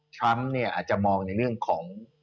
ทรัมป์เนี่ยอาจจะมองในเรื่องของ